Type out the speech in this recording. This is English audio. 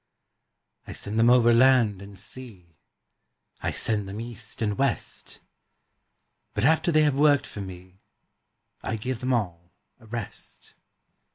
I send them over land and sea, I send them east and west; But after they have worked for me, I give them all a rest.